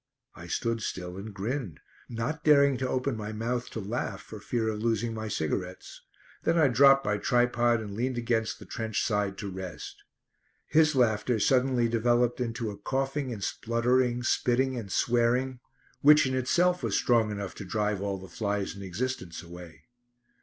I stood still and grinned, not daring to open my mouth to laugh for fear of losing my cigarettes. Then I dropped my tripod and leaned against the trench side to rest. His laughter suddenly developed into a coughing and spluttering, spitting and swearing, which in itself was strong enough to drive all the flies in existence away.